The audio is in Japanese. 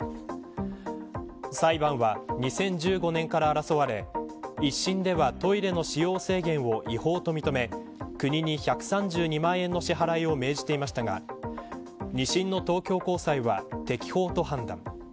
裁判は２０１５年から争われ１審ではトイレの使用制限を違法と認め国に１３２万円の支払いを命じていましたが二審の東京高裁は適法と判断。